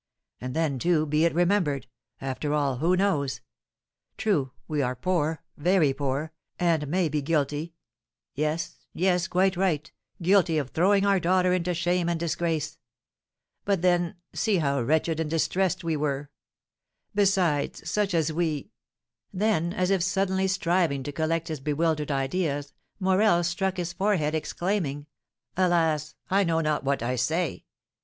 And, then, too, be it remembered after all who knows? True, we are poor very poor, and may be guilty yes, yes, quite right, guilty of throwing our daughter into shame and disgrace. But, then, see how wretched and distressed we were! Besides, such as we " Then, as if suddenly striving to collect his bewildered ideas, Morel struck his forehead, exclaiming, "Alas! I know not what I say.